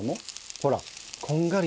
ほら。